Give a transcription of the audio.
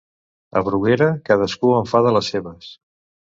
A Bruguera, cadascú en fa de les seves.